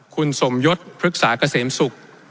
คุณสมยศพฤกษาเกษมศุกร์